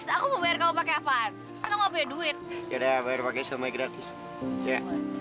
aku mau pakai apaan enggak punya duit ya udah pakai semuanya gratis ya